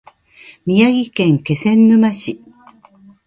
宮城県気仙沼市